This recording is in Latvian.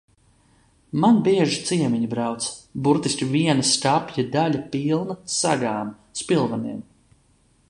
Man bieži ciemiņi brauc, burtiski viena skapja daļa pilna segām, spilveniem.